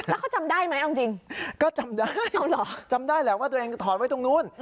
แล้วเขาจำได้ไหมเอาจริงก็จำได้จำได้แหละว่าตัวเองจะถอดไว้ตรงนู้น